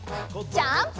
ジャンプ！